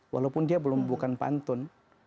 walaupun dia belum bukan pantun